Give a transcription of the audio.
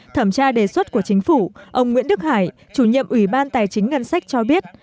thẩm tra đề xuất của chính phủ ông nguyễn đức hải chủ nhiệm ủy ban tài chính ngân sách cho biết